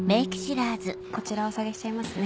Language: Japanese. こちらお下げしちゃいますね。